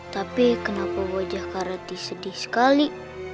tapi kenapa wajah karati sedih sekali